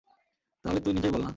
তাহলে তুই নিজেই বল না?